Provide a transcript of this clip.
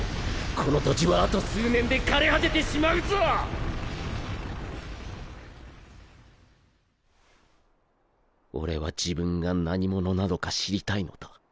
この土地はあと数年で枯れ果ててしまうぞ俺は自分が何者なのか知りたいのだ。